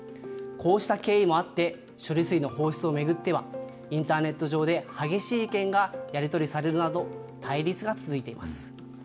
こうした経緯もあって、処理水の放出を巡っては、インターネット上で激しい意見がやり取りされるなど、対立が続いています。